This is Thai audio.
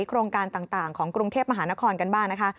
โครงการต่างของกรุงเทพมหานครกันบ้างนะคะ